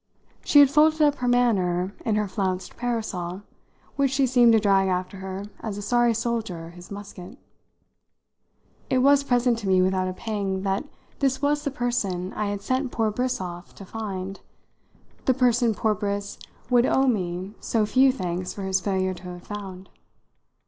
She had folded up her manner in her flounced parasol, which she seemed to drag after her as a sorry soldier his musket. It was present to me without a pang that this was the person I had sent poor Briss off to find the person poor Briss would owe me so few thanks for his failure to have found.